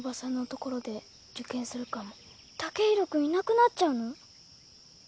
剛洋君いなくなっちゃうの？